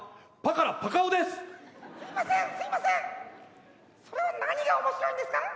「すいませんすいませんそれの何が面白いんですか？」。